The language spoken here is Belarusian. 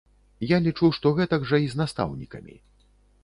Я лічу, што гэтак жа і з настаўнікамі.